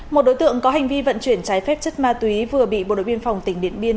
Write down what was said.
một đối tượng có hành vi vận chuyển trái phép chất ma túy vừa bị bộ đội biên phòng tỉnh điện biên